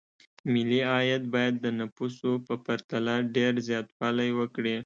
ملي عاید باید د نفوسو په پرتله ډېر زیاتوالی وکړي.